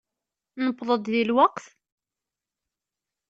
Newweḍ-d di lweqt?